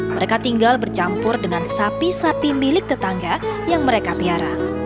mereka tinggal bercampur dengan sapi sapi milik tetangga yang mereka piara